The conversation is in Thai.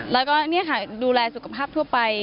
แล้วก็นี่ค่ะดูแลสุขภาพทั่วไป